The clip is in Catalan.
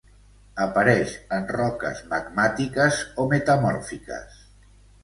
Apareix en roques magmàtiques o metamòrfiques.